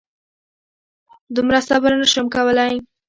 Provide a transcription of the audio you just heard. دومره صبر نه شم کولی.